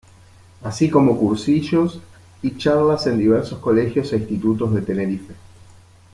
Así como cursillos y charlas en diversos colegios e institutos de Tenerife.